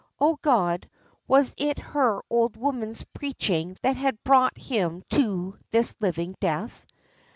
Oh, God, was it her old woman's preaching that had brought him to this living death?